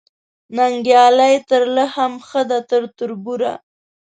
ننګیالۍ ترله هم ښه ده تر تربوره